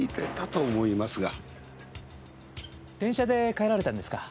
電車で帰られたんですか？